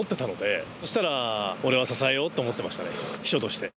そしたら俺は支えようと思ってましたね。